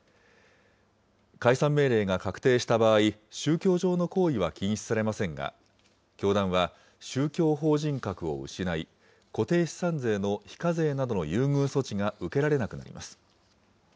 解散命令が確定した場合、宗教上の行為は禁止されませんが、教団は、宗教法人格を失い、固定資産税の非課税などの優遇措置が受けられなくなります。